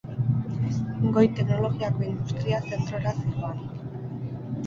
Goi-teknologiako industria zentrora zihoan.